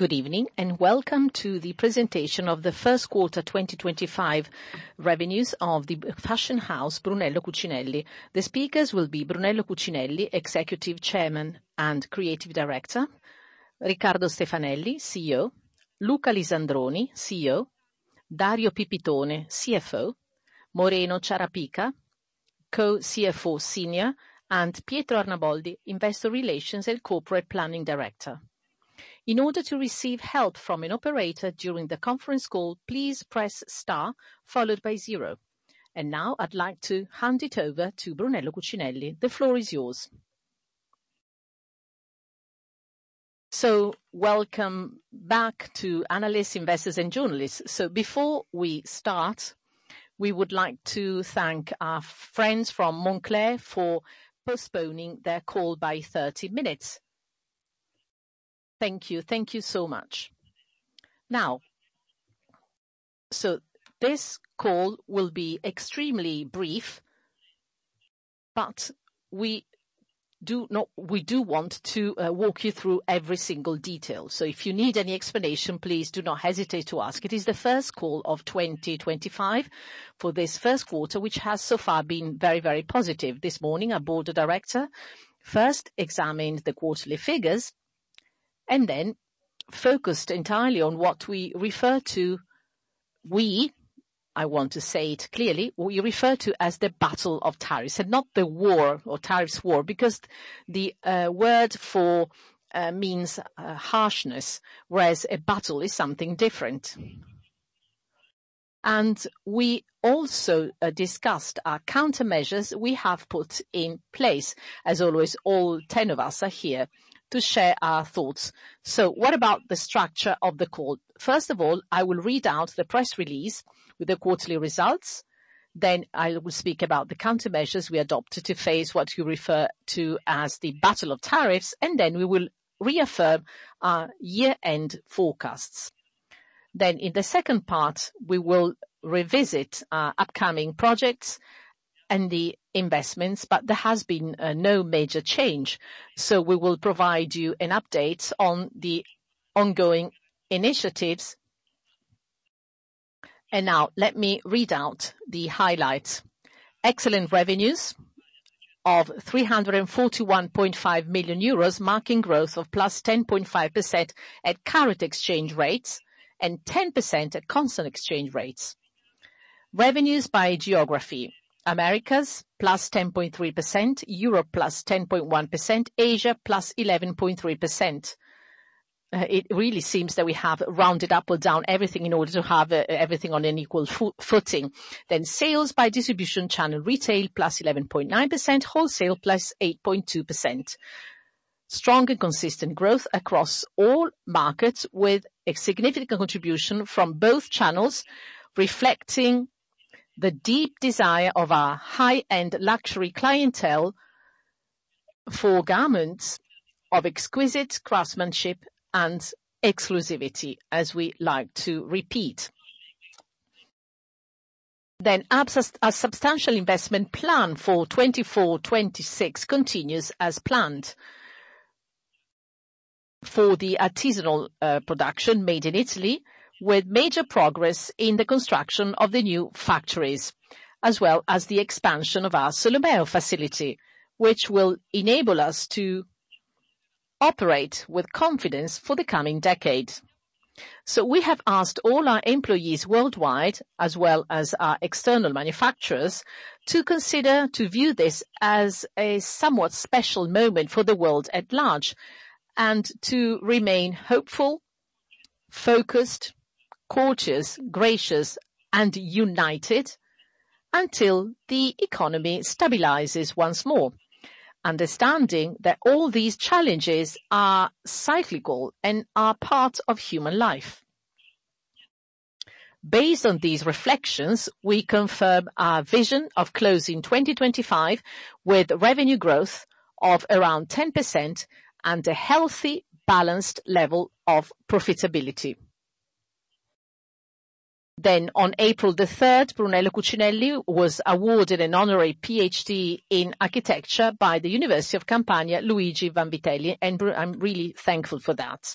Good evening and welcome to the presentation of the Q1 2025 revenues of the fashion house Brunello Cucinelli. The speakers will be Brunello Cucinelli, Executive Chairman and Creative Director; Riccardo Stefanelli, CEO; Luca Lisandroni, CEO; Dario Pipitone, CFO; Moreno Ciarapica, Co-CFO Senior; and Pietro Arnaboldi, Investor Relations and Corporate Planning Director. In order to receive help from an operator during the conference call, please press star followed by zero. Now I'd like to hand it over to Brunello Cucinelli. The floor is yours. Welcome back to Analysts, Investors, and Journalists. Before we start, we would like to thank our friends from Moncler for postponing their call by 30 minutes. Thank you. Thank you so much. This call will be extremely brief, but we do want to walk you through every single detail. If you need any explanation, please do not hesitate to ask. It is the first call of 2025 for this Q1, which has so far been very, very positive. This morning, our Board of Directors first examined the quarterly figures and then focused entirely on what we refer to, we, I want to say it clearly, what we refer to as the battle of tariffs and not the war or tariffs war, because the word war means harshness, whereas a battle is something different. We also discussed our countermeasures we have put in place. As always, all 10 of us are here to share our thoughts. What about the structure of the call? First of all, I will read out the press release with the quarterly results. I will speak about the countermeasures we adopted to face what you refer to as the battle of tariffs. We will reaffirm our year-end forecasts. In the second part, we will revisit our upcoming projects and the investments, but there has been no major change. We will provide you an update on the ongoing initiatives. Now let me read out the highlights. Excellent revenues of 341.5 million euros, marking growth of +10.5% at current exchange rates and 10% at constant exchange rates. Revenues by geography: Americas +10.3%, Europe +10.1%, Asia +11.3%. It really seems that we have rounded up or down everything in order to have everything on an equal footing. Sales by distribution channel: retail +11.9%, wholesale +8.2%. Strong and consistent growth across all markets with a significant contribution from both channels, reflecting the deep desire of our high-end luxury clientele for garments of exquisite craftsmanship and exclusivity, as we like to repeat. A substantial investment plan for 2024-2026 continues as planned for the artisanal production made in Italy, with major progress in the construction of the new factories, as well as the expansion of our Solomeo facility, which will enable us to operate with confidence for the coming decade. We have asked all our employees worldwide, as well as our external manufacturers, to consider viewing this as a somewhat special moment for the world at large and to remain hopeful, focused, courteous, gracious, and united until the economy stabilizes once more, understanding that all these challenges are cyclical and are part of human life. Based on these reflections, we confirm our vision of closing 2025 with revenue growth of around 10% and a healthy, balanced level of profitability. On April 3, Brunello Cucinelli was awarded an honorary PhD in Architecture by the University of Campania, Luigi Vanvitelli, and I'm really thankful for that.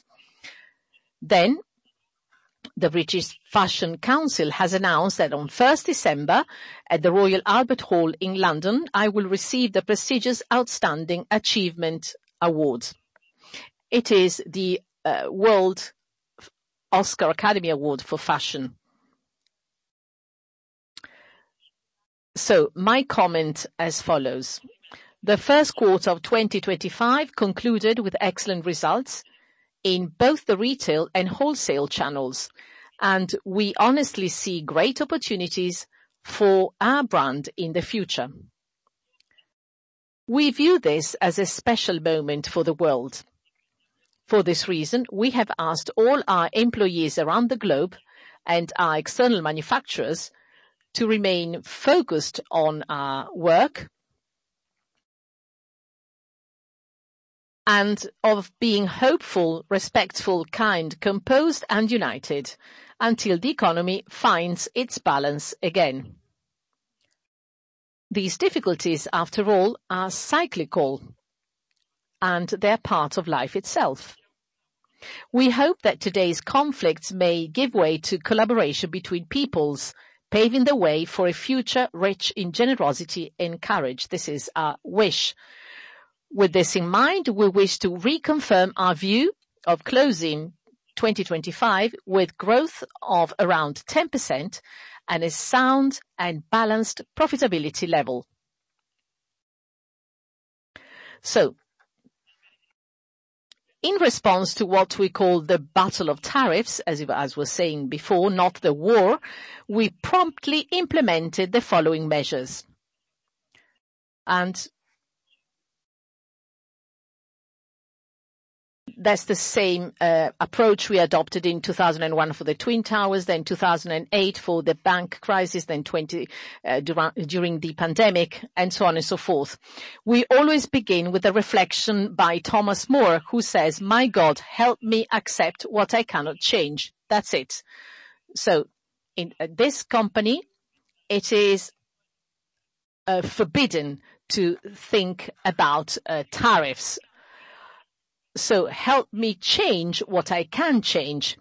The British Fashion Council has announced that on December 1 at the Royal Albert Hall in London, I will receive the prestigious Outstanding Achievement Award. It is the World Oscar Academy Award for fashion. My comment as follows: the Q1 of 2025 concluded with excellent results in both the retail and wholesale channels, and we honestly see great opportunities for our brand in the future. We view this as a special moment for the world. For this reason, we have asked all our employees around the globe and our external manufacturers to remain focused on our work and of being hopeful, respectful, kind, composed, and united until the economy finds its balance again. These difficulties, after all, are cyclical, and they're part of life itself. We hope that today's conflicts may give way to collaboration between peoples, paving the way for a future rich in generosity and courage. This is our wish. With this in mind, we wish to reconfirm our view of closing 2025 with growth of around 10% and a sound and balanced profitability level. In response to what we call the battle of tariffs, as we were saying before, not the war, we promptly implemented the following measures. That is the same approach we adopted in 2001 for the Twin Towers, then 2008 for the bank crisis, then during the pandemic, and so on and so forth. We always begin with a reflection by Thomas More, who says, "My God, help me accept what I cannot change." That's it. In this company, it is forbidden to think about tariffs. Help me change what I can change.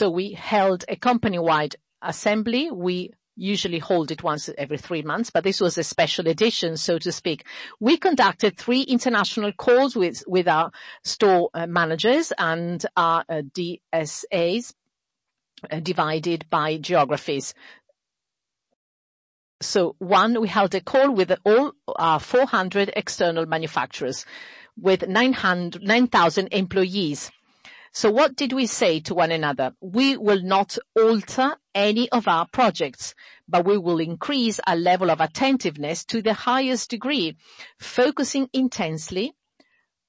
We held a company-wide assembly. We usually hold it once every three months, but this was a special edition, so to speak. We conducted three international calls with our store managers and our DSAs divided by geographies. One, we held a call with all our 400 external manufacturers with 9,000 employees. What did we say to one another? We will not alter any of our projects, but we will increase our level of attentiveness to the highest degree, focusing intensely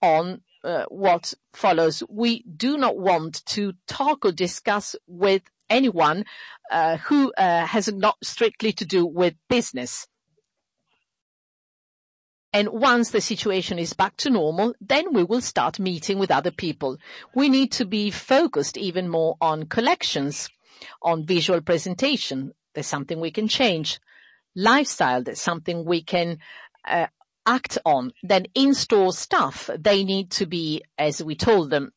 on what follows. We do not want to talk or discuss with anyone who has not strictly to do with business. Once the situation is back to normal, then we will start meeting with other people. We need to be focused even more on collections, on visual presentation. There's something we can change. Lifestyle, there's something we can act on. In-store staff, they need to be, as we told them,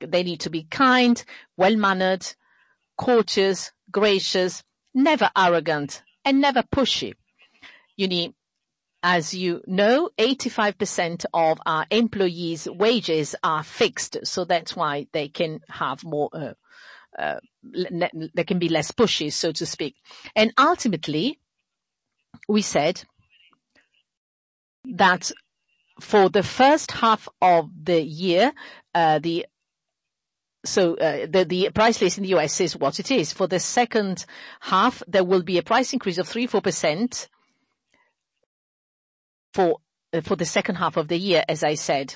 they need to be kind, well-mannered, courteous, gracious, never arrogant, and never pushy. You need, as you know, 85% of our employees' wages are fixed, so that's why they can be less pushy, so to speak. Ultimately, we said that for the first half of the year, the price list in the U.S. is what it is. For the second half, there will be a price increase of 3%-4% for the second half of the year, as I said.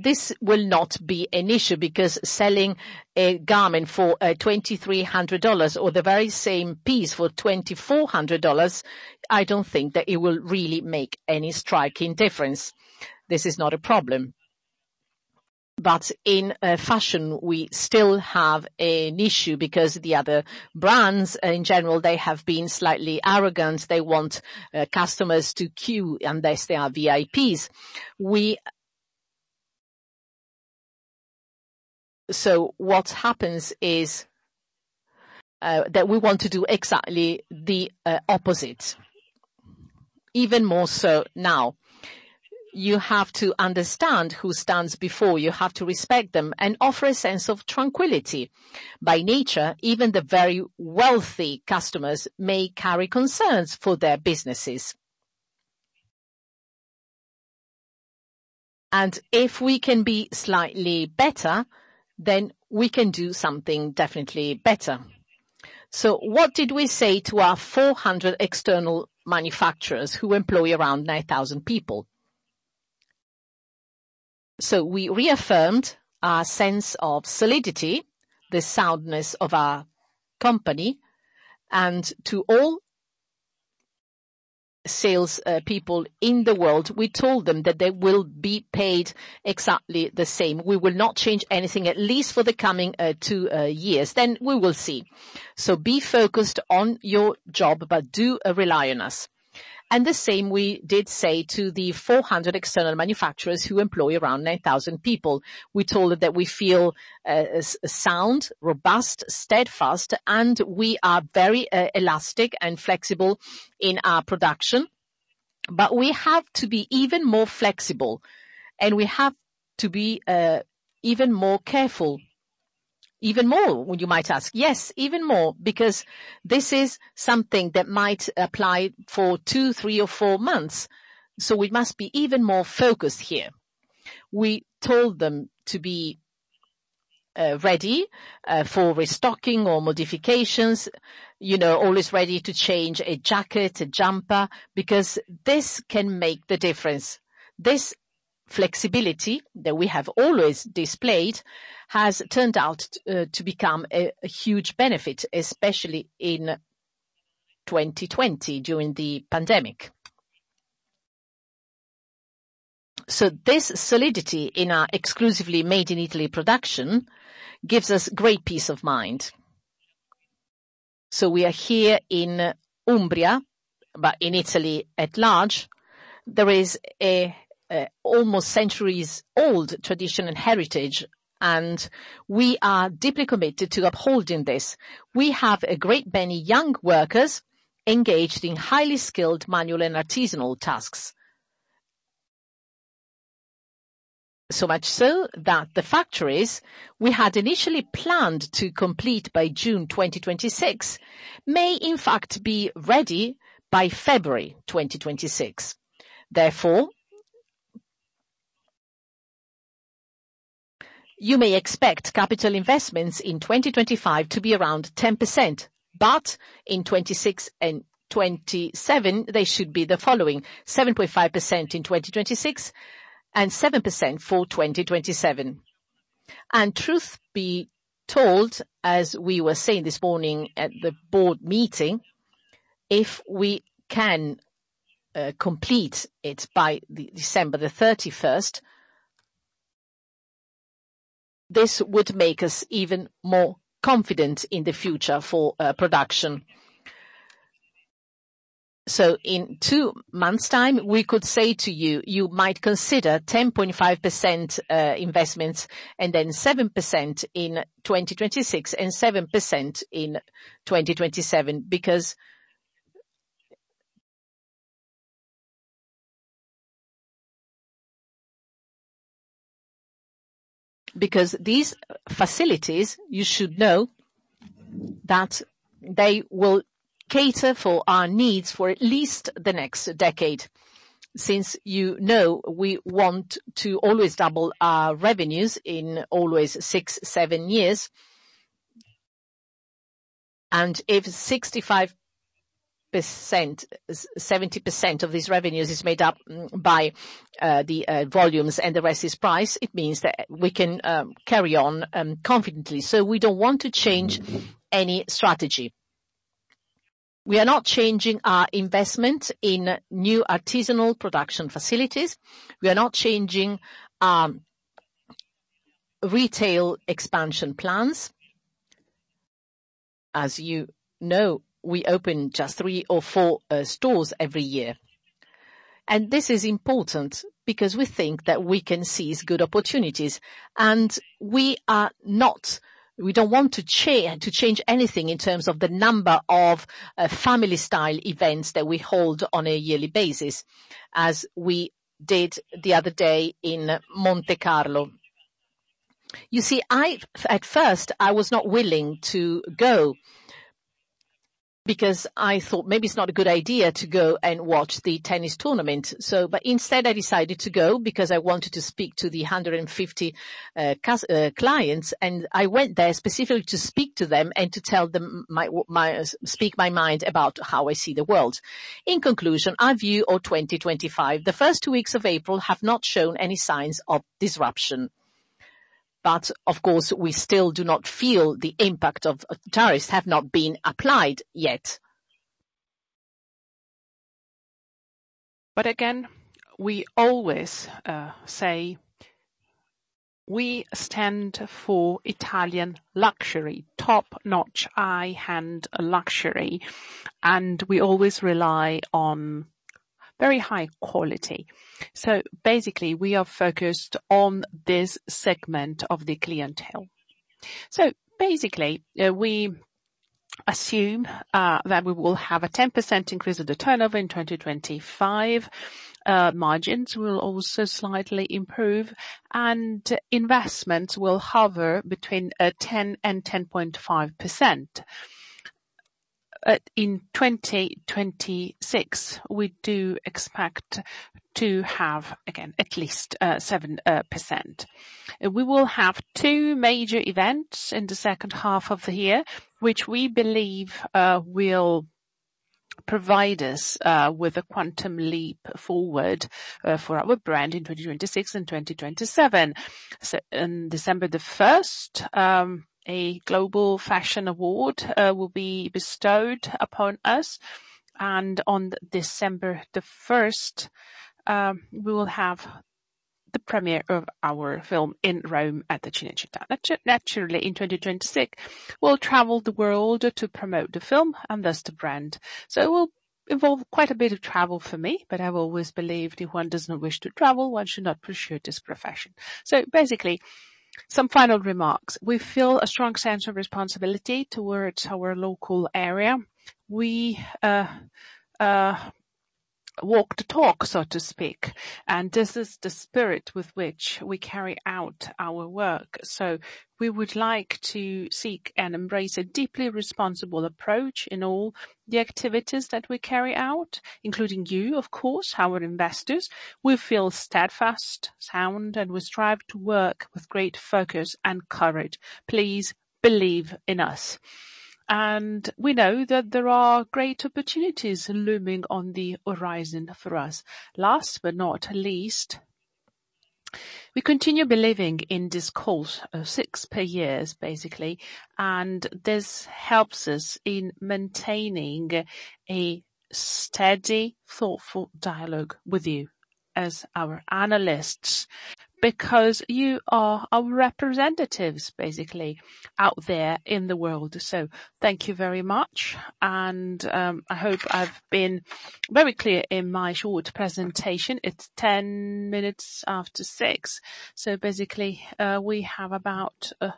This will not be an issue because selling a garment for $2,300 or the very same piece for $2,400, I don't think that it will really make any striking difference. This is not a problem. In fashion, we still have an issue because the other brands, in general, they have been slightly arrogant. They want customers to queue unless they are VIPs. What happens is that we want to do exactly the opposite, even more so now. You have to understand who stands before. You have to respect them and offer a sense of tranquility. By nature, even the very wealthy customers may carry concerns for their businesses. If we can be slightly better, then we can do something definitely better. What did we say to our 400 external manufacturers who employ around 9,000 people? We reaffirmed our sense of solidity, the soundness of our company, and to all salespeople in the world, we told them that they will be paid exactly the same. We will not change anything, at least for the coming two years. We will see. Be focused on your job, but do rely on us. The same we did say to the 400 external manufacturers who employ around 9,000 people. We told them that we feel sound, robust, steadfast, and we are very elastic and flexible in our production. We have to be even more flexible, and we have to be even more careful, even more, you might ask. Yes, even more, because this is something that might apply for two, three, or four months. We must be even more focused here. We told them to be ready for restocking or modifications, always ready to change a jacket, a jumper, because this can make the difference. This flexibility that we have always displayed has turned out to become a huge benefit, especially in 2020 during the pandemic. This solidity in our exclusively made in Italy production gives us great peace of mind. We are here in Umbria, but in Italy at large. There is an almost centuries-old tradition and heritage, and we are deeply committed to upholding this. We have a great many young workers engaged in highly skilled manual and artisanal tasks. So much so that the factories we had initially planned to complete by June 2026 may, in fact, be ready by February 2026. Therefore, you may expect capital investments in 2025 to be around 10%, but in 2026 and 2027, they should be the following: 7.5% in 2026 and 7% for 2027. Truth be told, as we were saying this morning at the board meeting, if we can complete it by December 31, this would make us even more confident in the future for production. In two months' time, we could say to you, you might consider 10.5% investments and then 7% in 2026 and 7% in 2027 because these facilities, you should know that they will cater for our needs for at least the next decade. Since you know we want to always double our revenues in always six, seven years, and if 65%-70% of these revenues is made up by the volumes and the rest is price, it means that we can carry on confidently. We do not want to change any strategy. We are not changing our investment in new artisanal production facilities. We are not changing our retail expansion plans. As you know, we open just three or four stores every year. This is important because we think that we can seize good opportunities. We do not want to change anything in terms of the number of family-style events that we hold on a yearly basis, as we did the other day in Monte Carlo. You see, at first, I was not willing to go because I thought maybe it is not a good idea to go and watch the tennis tournament. Instead, I decided to go because I wanted to speak to the 150 clients, and I went there specifically to speak to them and to tell them, speak my mind about how I see the world. In conclusion, our view of 2025, the first two weeks of April have not shown any signs of disruption. Of course, we still do not feel the impact of tariffs, as they have not been applied yet. Again, we always say we stand for Italian luxury, top-notch high-end luxury, and we always rely on very high quality. Basically, we are focused on this segment of the clientele. Basically, we assume that we will have a 10% increase of the turnover in 2025. Margins will also slightly improve, and investments will hover between 10%-10.5%. In 2026, we do expect to have, again, at least 7%. We will have two major events in the second half of the year, which we believe will provide us with a quantum leap forward for our brand in 2026 and 2027. On December the 1st, a global fashion award will be bestowed upon us. On December the 1st, we will have the premiere of our film in Rome at the Cinecittà. Naturally, in 2026, we'll travel the world to promote the film and thus the brand. It will involve quite a bit of travel for me, but I've always believed if one does not wish to travel, one should not pursue this profession. Basically, some final remarks. We feel a strong sense of responsibility towards our local area. We walk the talk, so to speak. This is the spirit with which we carry out our work. We would like to seek and embrace a deeply responsible approach in all the activities that we carry out, including you, of course, our investors. We feel steadfast, sound, and we strive to work with great focus and courage. Please believe in us. We know that there are great opportunities looming on the horizon for us. Last but not least, we continue believing in this call, six per year basically, and this helps us in maintaining a steady, thoughtful dialogue with you as our analysts because you are our representatives basically out there in the world. Thank you very much. I hope I've been very clear in my short presentation. It's 10 minutes after 6:00. Basically, we have about—oh,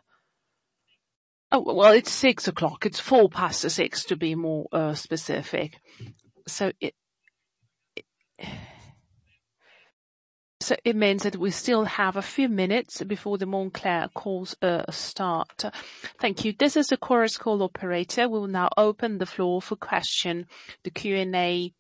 it is 6:00. It is 4:00 past 6:00 to be more specific. It means that we still have a few minutes before the Moncler calls start. Thank you. This is the Chorus Call operator. We will now open the floor for questions. The Q&A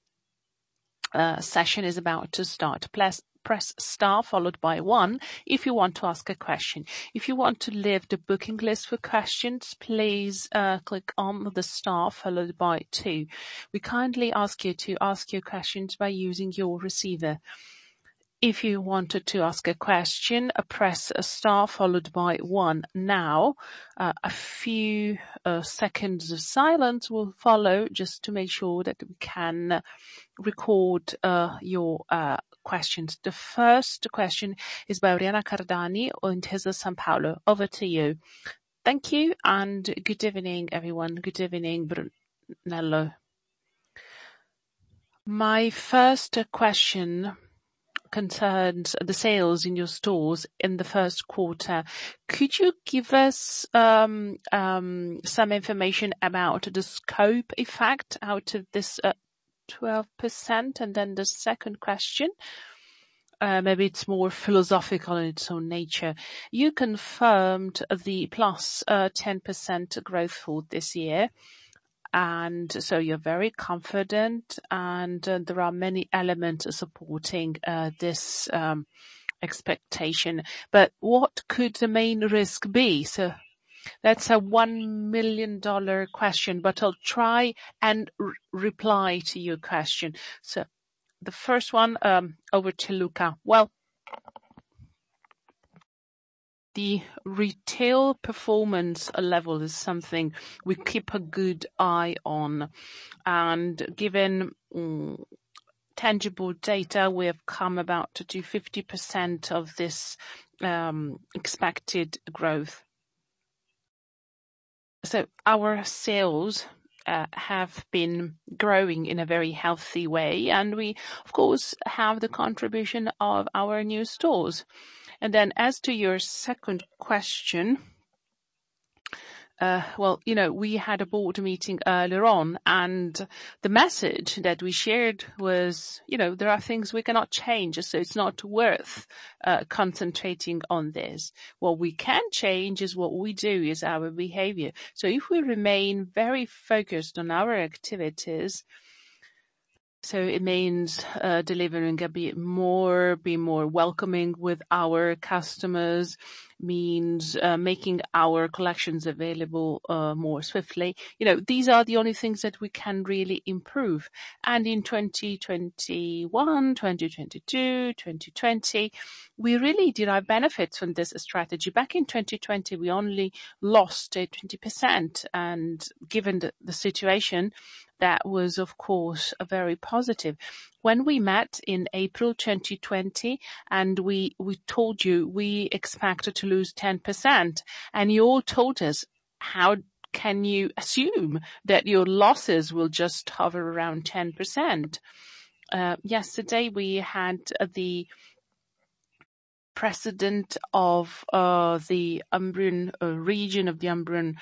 session is about to start. Press star followed by one if you want to ask a question. If you want to leave the booking list for questions, please click on the star followed by two. We kindly ask you to ask your questions by using your receiver. If you wanted to ask a question, press star followed by one. Now, a few seconds of silence will follow just to make sure that we can record your questions. The first question is by Oriana Cardani of Intesa Sanpaolo. Over to you. Thank you and good evening, everyone. Good evening, Brunello. My first question concerns the sales in your stores in the Q1. Could you give us some information about the scope effect out of this 12%? The second question, maybe it is more philosophical in its own nature. You confirmed the plus 10% growth for this year. You are very confident, and there are many elements supporting this expectation. What could the main risk be? That is a $1 million question, but I'll try and reply to your question. The first one, over to Luca. The retail performance level is something we keep a good eye on. Given tangible data, we have come about to 50% of this expected growth. Our sales have been growing in a very healthy way, and we, of course, have the contribution of our new stores. As to your second question, we had a board meeting earlier on, and the message that we shared was there are things we cannot change, so it's not worth concentrating on this. What we can change is what we do, is our behavior. If we remain very focused on our activities, it means delivering a bit more, being more welcoming with our customers, making our collections available more swiftly. These are the only things that we can really improve. In 2021, 2022, 2020, we really derived benefits from this strategy. Back in 2020, we only lost 20%. Given the situation, that was, of course, very positive. When we met in April 2020, and we told you we expected to lose 10%, you all told us, "How can you assume that your losses will just hover around 10%?" Yesterday, we had the president of the Umbrian region of the Umbrian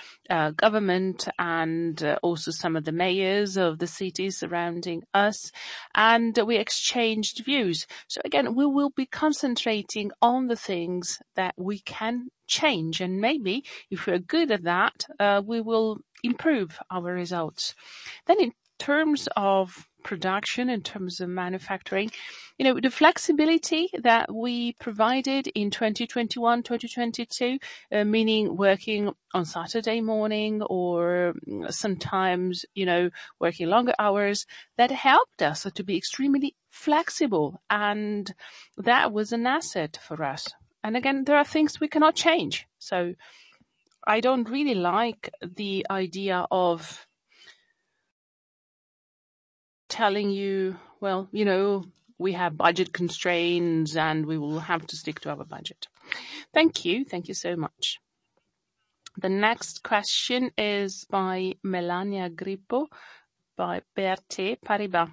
government and also some of the mayors of the cities surrounding us, and we exchanged views. Again, we will be concentrating on the things that we can change. Maybe if we're good at that, we will improve our results. In terms of production, in terms of manufacturing, the flexibility that we provided in 2021, 2022, meaning working on Saturday morning or sometimes working longer hours, that helped us to be extremely flexible. That was an asset for us. Again, there are things we cannot change. I do not really like the idea of telling you, "Well, we have budget constraints, and we will have to stick to our budget." Thank you. Thank you so much. The next question is by Melania Grippo, by BNP Paribas.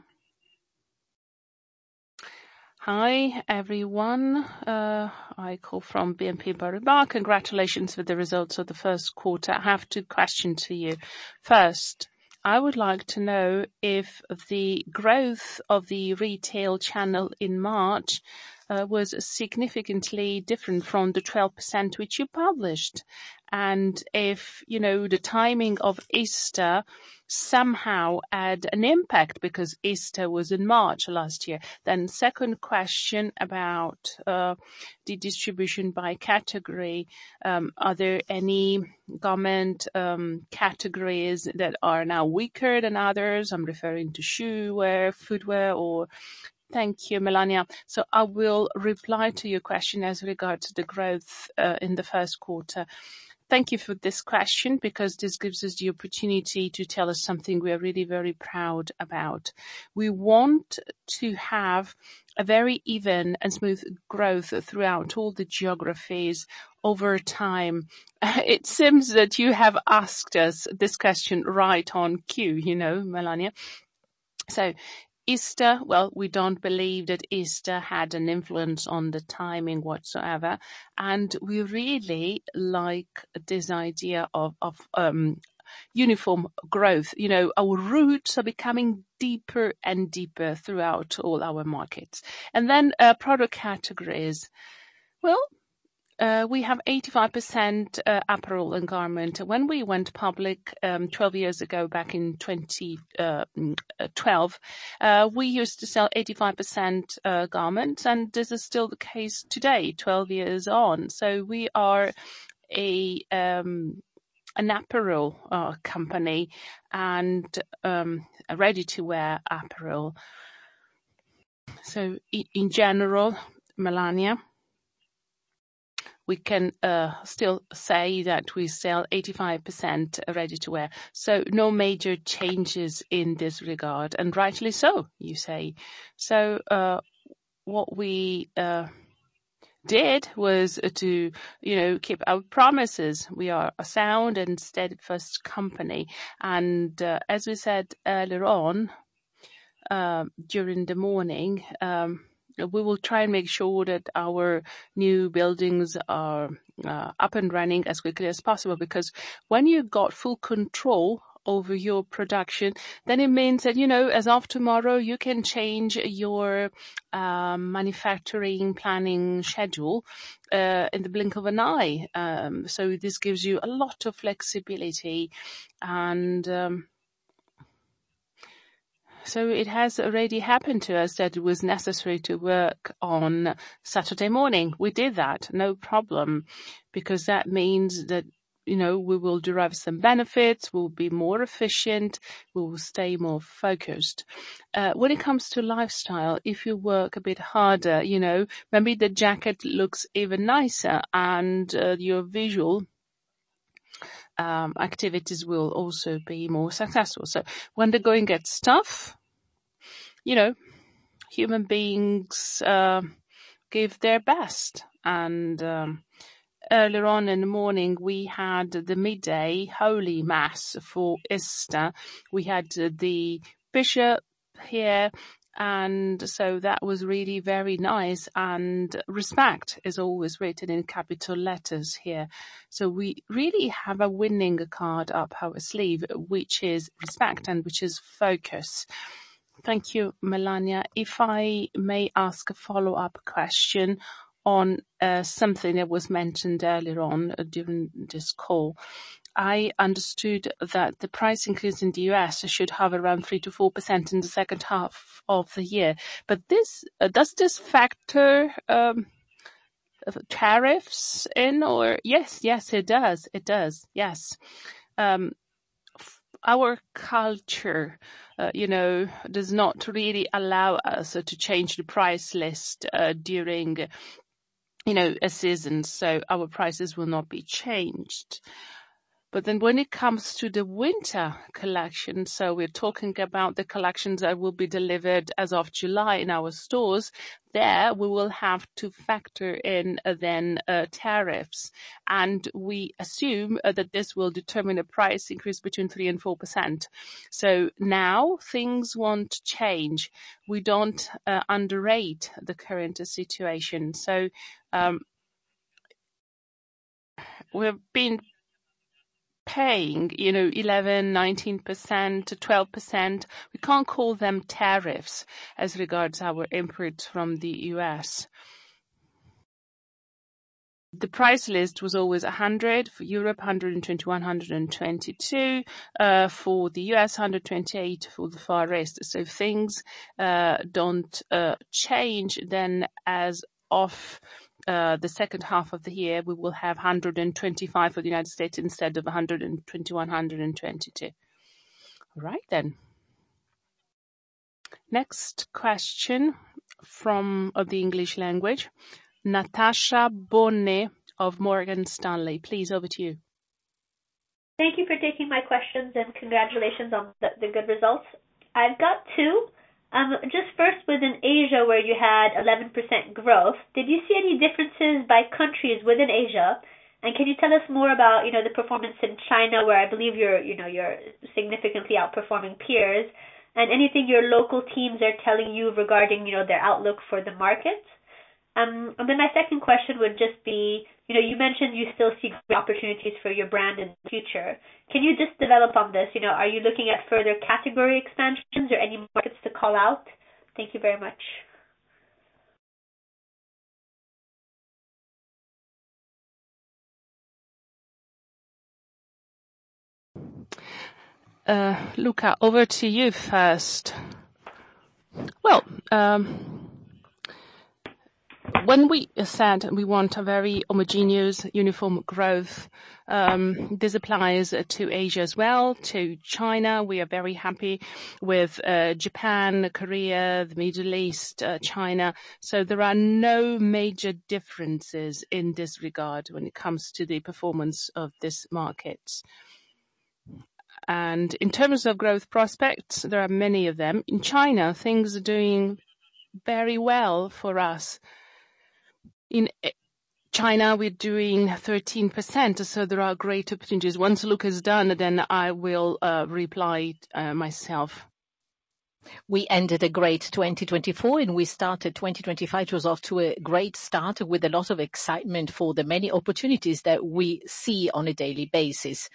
Hi, everyone. I call from BNP Paribas. Congratulations for the results of the Q1. I have two questions for you. First, I would like to know if the growth of the retail channel in March was significantly different from the 12% which you published, and if the timing of Easter somehow had an impact because Easter was in March last year. Second question about the distribution by category. Are there any product categories that are now weaker than others? I'm referring to shoe wear, footwear, or. Thank you, Melania. I will reply to your question as regards to the growth in the Q1. Thank you for this question because this gives us the opportunity to tell you something we are really very proud about. We want to have a very even and smooth growth throughout all the geographies over time. It seems that you have asked us this question right on cue, Melania. Easter, we do not believe that Easter had an influence on the timing whatsoever. We really like this idea of uniform growth. Our roots are becoming deeper and deeper throughout all our markets. Product categories, we have 85% apparel and garment. When we went public 12 years ago, back in 2012, we used to sell 85% garments, and this is still the case today, 12 years on. We are an apparel company and a ready-to-wear apparel. In general, Melania, we can still say that we sell 85% ready-to-wear. No major changes in this regard. Rightly so, you say. What we did was to keep our promises. We are a sound and steadfast company. As we said earlier on during the morning, we will try and make sure that our new buildings are up and running as quickly as possible because when you have full control over your production, it means that as of tomorrow, you can change your manufacturing planning schedule in the blink of an eye. This gives you a lot of flexibility. It has already happened to us that it was necessary to work on Saturday morning. We did that, no problem, because that means that we will derive some benefits, we will be more efficient, we will stay more focused. When it comes to lifestyle, if you work a bit harder, maybe the jacket looks even nicer, and your visual activities will also be more successful. When they are going at stuff, human beings give their best. Earlier on in the morning, we had the midday holy mass for Easter. We had the bishop here, and that was really very nice. Respect is always written in capital letters here. We really have a winning card up our sleeve, which is respect and which is focus. Thank you, Melania. If I may ask a follow-up question on something that was mentioned earlier on during this call, I understood that the price increase in the U.S. should hover around 3%-4% in the second half of the year. Does this factor tariffs in, or? Yes, yes, it does. It does. Yes. Our culture does not really allow us to change the price list during a season, so our prices will not be changed. When it comes to the winter collection, we're talking about the collections that will be delivered as of July in our stores. There we will have to factor in tariffs. We assume that this will determine a price increase between 3% and 4%. Now things want to change. We don't underrate the current situation. We've been paying 11%, 19%, 12%. We can't call them tariffs as regards our imports from the U.S. The price list was always 100 for Europe, 121, 122 for the U.S., 128 for the Far East. Things don't change then as of the second half of the year, we will have 125 for the United States instead of 121, 122. All right. Next question from the English language, Natasha Bonnet of Morgan Stanley. Please, over to you. Thank you for taking my questions and congratulations on the good results. I've got two. Just first, within Asia, where you had 11% growth, did you see any differences by countries within Asia? Can you tell us more about the performance in China, where I believe you're significantly outperforming peers, and anything your local teams are telling you regarding their outlook for the markets? My second question would just be, you mentioned you still see opportunities for your brand in the future. Can you just develop on this? Are you looking at further category expansions or any markets to call out? Thank you very much. Luca, over to you first. When we said we want a very homogeneous, uniform growth, this applies to Asia as well, to China. We are very happy with Japan, Korea, the Middle East, China. There are no major differences in this regard when it comes to the performance of this market. In terms of growth prospects, there are many of them. In China, things are doing very well for us. In China, we're doing 13%, so there are great opportunities. Once Luca's done, then I will reply myself. We ended a great 2024, and we started 2025, which was off to a great start with a lot of excitement for the many opportunities that we see on a daily basis.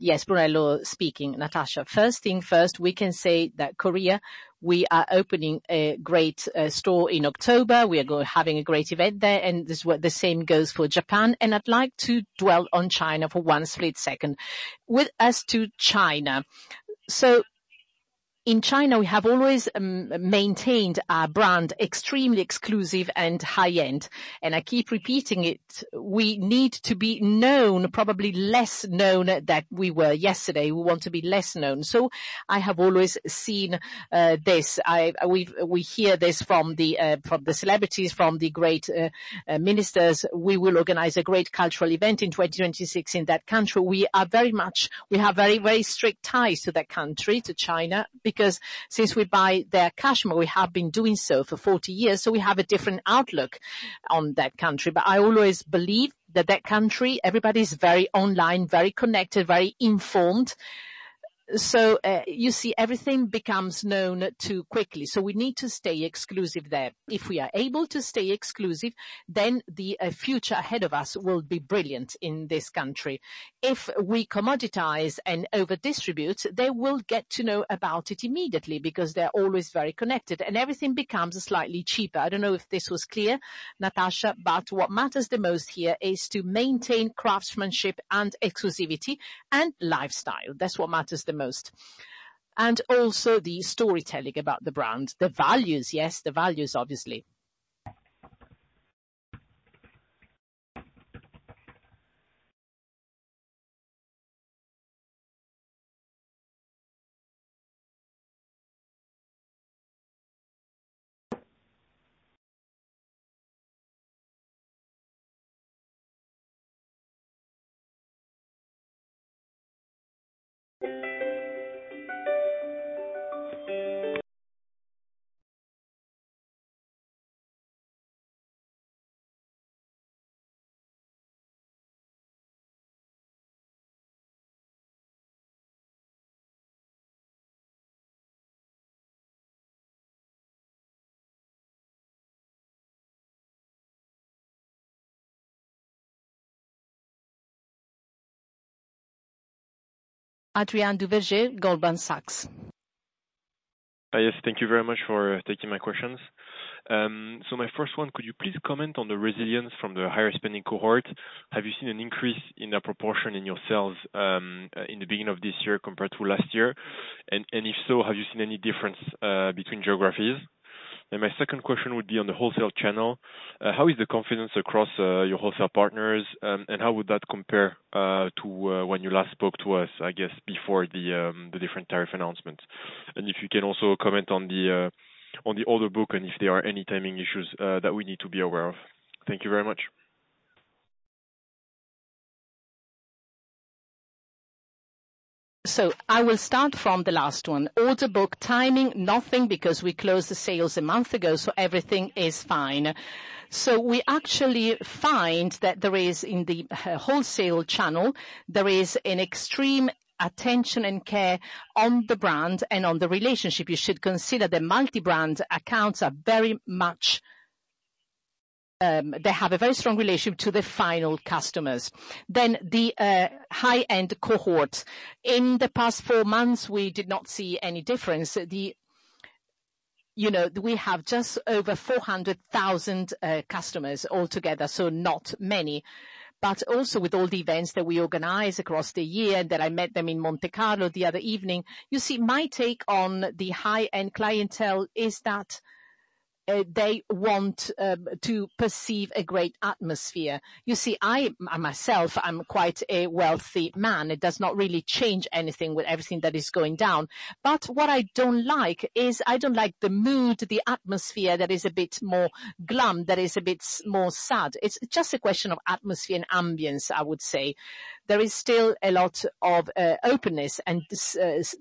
Yes, Brunello speaking, Natasha. First thing first, we can say that Korea, we are opening a great store in October. We are having a great event there, and the same goes for Japan. I'd like to dwell on China for one split second. As to China, in China, we have always maintained our brand extremely exclusive and high-end. I keep repeating it. We need to be known, probably less known than we were yesterday. We want to be less known. I have always seen this. We hear this from the celebrities, from the great ministers. We will organize a great cultural event in 2026 in that country. We have very strict ties to that country, to China, because since we buy their cash, we have been doing so for 40 years. We have a different outlook on that country. I always believe that that country, everybody's very online, very connected, very informed. You see, everything becomes known too quickly. We need to stay exclusive there. If we are able to stay exclusive, then the future ahead of us will be brilliant in this country. If we commoditize and over-distribute, they will get to know about it immediately because they're always very connected. Everything becomes slightly cheaper. I do not know if this was clear, Natasha, but what matters the most here is to maintain craftsmanship and exclusivity and lifestyle. That is what matters the most. Also the storytelling about the brand, the values, yes, the values, obviously. Adrien Duverger, Goldman Sachs. Yes, thank you very much for taking my questions. My first one, could you please comment on the resilience from the higher spending cohort? Have you seen an increase in that proportion in your sales in the beginning of this year compared to last year? If so, have you seen any difference between geographies? My second question would be on the wholesale channel. How is the confidence across your wholesale partners, and how would that compare to when you last spoke to us, I guess, before the different tariff announcements? If you can also comment on the order book and if there are any timing issues that we need to be aware of. Thank you very much. I will start from the last one. Order book, timing, nothing because we closed the sales a month ago, so everything is fine. We actually find that there is, in the wholesale channel, an extreme attention and care on the brand and on the relationship. You should consider the multi-brand accounts have a very strong relationship to the final customers. The high-end cohort. In the past four months, we did not see any difference. We have just over 400,000 customers altogether, so not many. Also, with all the events that we organize across the year and that I met them in Monte Carlo the other evening, you see, my take on the high-end clientele is that they want to perceive a great atmosphere. You see, I myself, I'm quite a wealthy man. It does not really change anything with everything that is going down. What I don't like is I don't like the mood, the atmosphere that is a bit more glum, that is a bit more sad. It's just a question of atmosphere and ambience, I would say. There is still a lot of openness and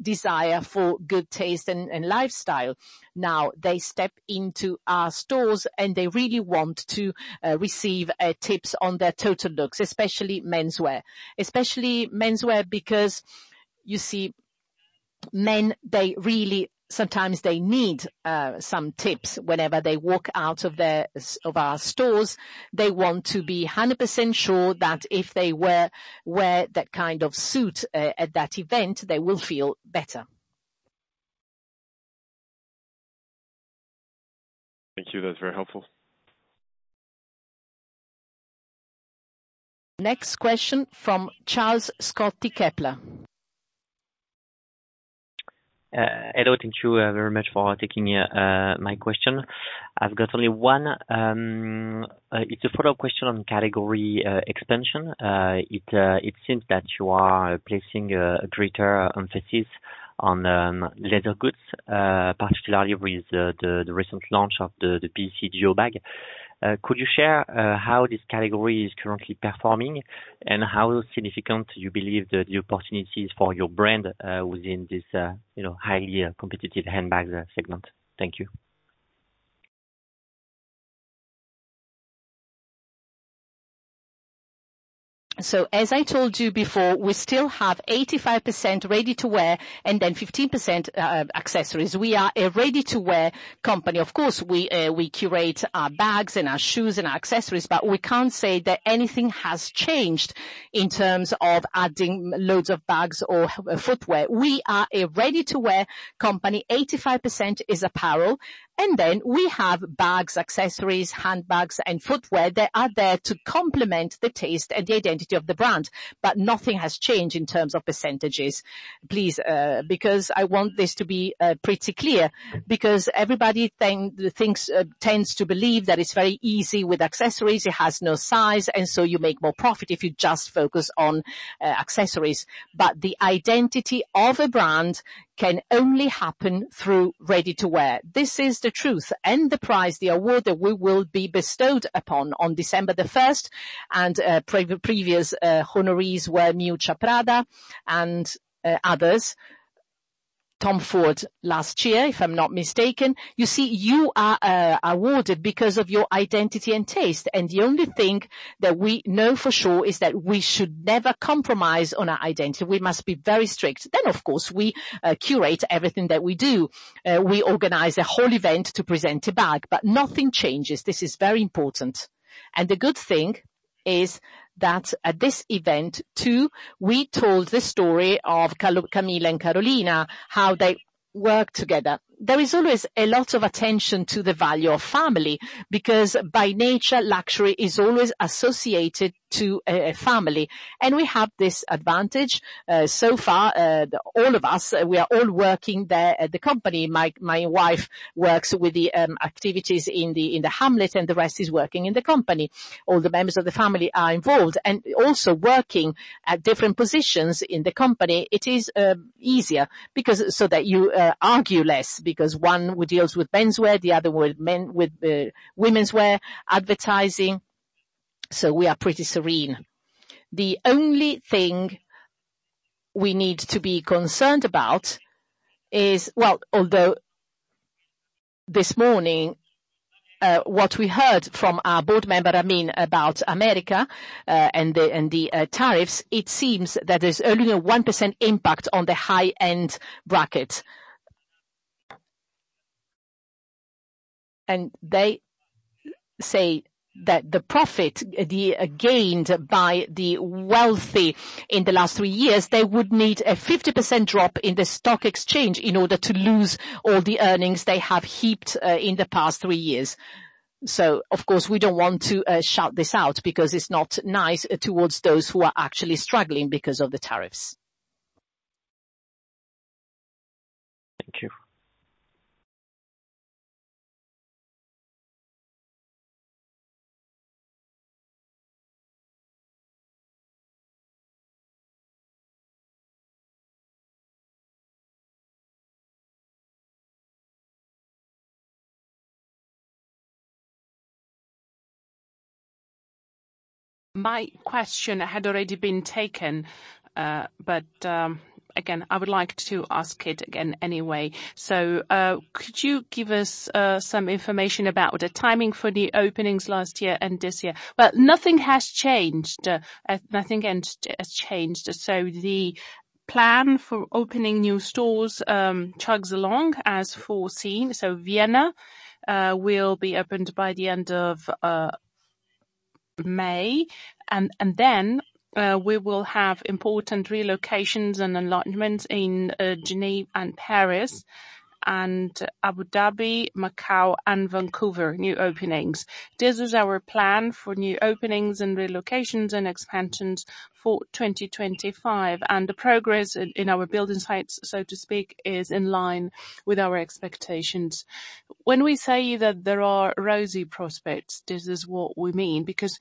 desire for good taste and lifestyle. Now, they step into our stores and they really want to receive tips on their total looks, especially menswear. Especially menswear because, you see, men, they really sometimes need some tips whenever they walk out of our stores. They want to be 100% sure that if they wear that kind of suit at that event, they will feel better. Thank you. That's very helpful. Next question from Charles Scotti Kepler. Hello, thank you very much for taking my question. I've got only one. It's a follow-up question on category expansion. It seems that you are placing a greater emphasis on leather goods, particularly with the recent launch of the BC Duo bag. Could you share how this category is currently performing and how significant you believe the opportunities for your brand within this highly competitive handbag segment? Thank you. As I told you before, we still have 85% ready-to-wear and then 15% accessories. We are a ready-to-wear company. Of course, we curate our bags and our shoes and our accessories, but we can't say that anything has changed in terms of adding loads of bags or footwear. We are a ready-to-wear company. 85% is apparel. Then we have bags, accessories, handbags, and footwear that are there to complement the taste and the identity of the brand. Nothing has changed in terms of percentages. Please, because I want this to be pretty clear, because everybody tends to believe that it is very easy with accessories. It has no size, and you make more profit if you just focus on accessories. The identity of a brand can only happen through ready-to-wear. This is the truth. The prize, the award that we will be bestowed upon on December the 1st, and previous honorees were Miuccia Prada and others, Tom Ford last year, if I am not mistaken. You see, you are awarded because of your identity and taste. The only thing that we know for sure is that we should never compromise on our identity. We must be very strict. Of course, we curate everything that we do. We organize a whole event to present a bag, but nothing changes. This is very important. The good thing is that at this event, too, we told the story of Camila and Carolina, how they worked together. There is always a lot of attention to the value of family because by nature, luxury is always associated to a family. We have this advantage. So far, all of us, we are all working there at the company. My wife works with the activities in the Hamlet, and the rest is working in the company. All the members of the family are involved and also working at different positions in the company. It is easier so that you argue less because one deals with menswear, the other with women's wear advertising. We are pretty serene. The only thing we need to be concerned about is, although this morning, what we heard from our board member, I mean, about America and the tariffs, it seems that there's only a 1% impact on the high-end bracket. They say that the profit gained by the wealthy in the last three years, they would need a 50% drop in the stock exchange in order to lose all the earnings they have heaped in the past three years. Of course, we don't want to shout this out because it's not nice towards those who are actually struggling because of the tariffs. Thank you. My question had already been taken, but again, I would like to ask it again anyway. Could you give us some information about the timing for the openings last year and this year? Nothing has changed. Nothing has changed. The plan for opening new stores chugs along as foreseen. Vienna will be opened by the end of May. We will have important relocations and enlargements in Geneva, Paris, Abu Dhabi, Macau, and Vancouver, new openings. This is our plan for new openings and relocations and expansions for 2025. The progress in our building sites, so to speak, is in line with our expectations. When we say that there are rosy prospects, this is what we mean because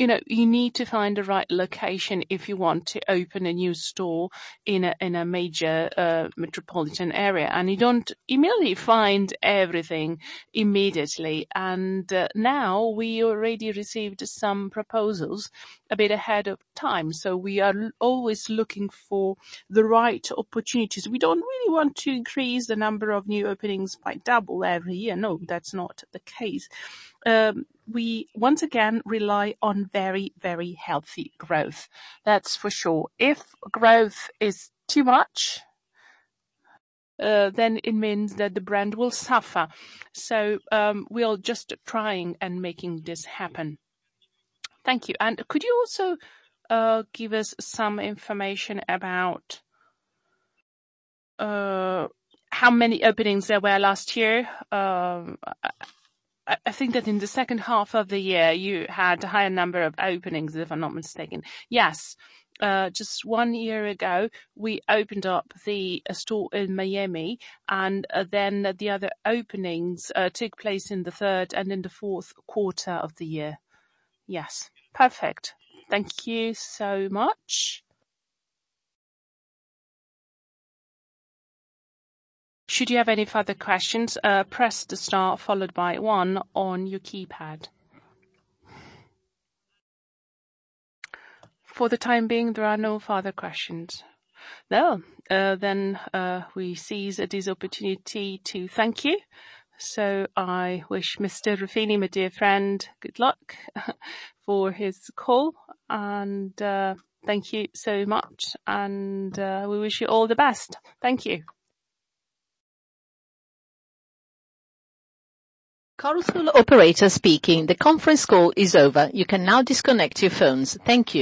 you need to find the right location if you want to open a new store in a major metropolitan area. You do not immediately find everything immediately. Now we already received some proposals a bit ahead of time. We are always looking for the right opportunities. We do not really want to increase the number of new openings by double every year. No, that's not the case. We once again rely on very, very healthy growth. That's for sure. If growth is too much, then it means that the brand will suffer. We are just trying and making this happen. Thank you. Could you also give us some information about how many openings there were last year? I think that in the second half of the year, you had a higher number of openings, if I'm not mistaken. Yes. Just one year ago, we opened up the store in Miami, and then the other openings took place in the third and in the Q4 of the year. Yes. Perfect. Thank you so much. Should you have any further questions, press the star followed by one on your keypad. For the time being, there are no further questions. We seize this opportunity to thank you. I wish Mr. Ruffini, my dear friend, good luck for his call. Thank you so much. We wish you all the best. Thank you. Chorus Call operator speaking. The conference call is over. You can now disconnect your phones. Thank you.